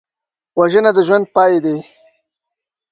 وژنه د ژوند پای دی